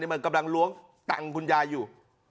มันกำลังล้วงตังค์คุณยายอยู่